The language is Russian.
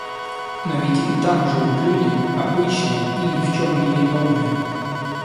Но ведь и там живут люди! Обычные и ни в чем невиновные...